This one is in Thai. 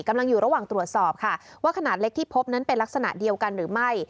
กำลังอยู่ระหว่างตรวจสอบค่ะว่าขนาดเล็กที่พบนั้นเป็นลักษณะเดียวกันหรือไม่